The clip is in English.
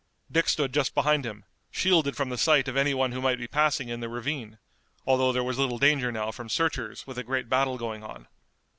Dick stood just behind him, shielded from the sight of any one who might be passing in the ravine, although there was little danger now from searchers with a great battle going on.